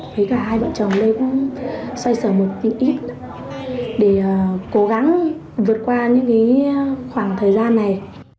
với cả hai vợ chồng đây cũng xoay sở một ít để cố gắng vượt qua những khoảng thời gian này